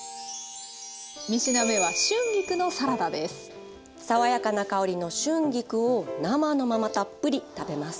３品目は爽やかな香りの春菊を生のままたっぷり食べます。